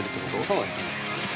そうですね。